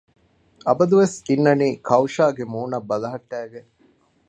އަބަދުވެސް އިންނަނީ ކައުޝާގެ މޫނަށް ބަލަހައްޓައިގެން